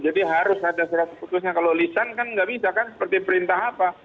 jadi harus ada surat surat seputusnya kalau lisan kan nggak bisa kan seperti perintah apa